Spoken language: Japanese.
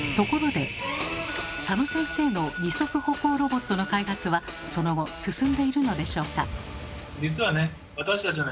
佐野先生の二足歩行ロボットの開発はその後進んでいるのでしょうか？